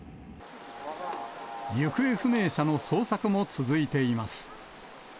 行方不明者の捜索も続いています。